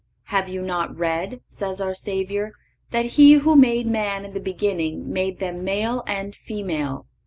"Have you not read," says our Savior, "that He who made man in the beginning made them male and female?